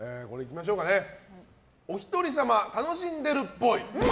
お一人様楽しんでるっぽい。